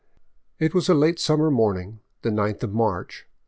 It was a late summer morning, the ninth of March.